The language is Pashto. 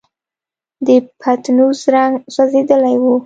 د پتنوس رنګ سوځېدلی و.